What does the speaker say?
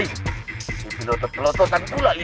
sekali lagi lopaknya udah kacau dua brenda